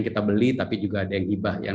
kita beli tapi juga ada yang gibah yang